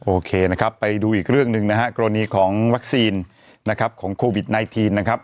โอเคนะครับไปดูอีกเรื่องหนึ่งนะฮะกรณีของวัคซีนนะครับของโควิด๑๙นะครับ